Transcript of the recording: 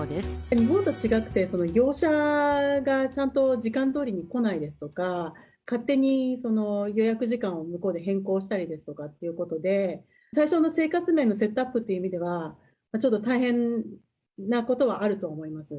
日本と違って、業者がちゃんと時間どおりに来ないですとか、勝手に予約時間を向こうで変更したりですっていうことで、最初の生活面のセットアップっていう意味では、ちょっと大変なことはあると思います。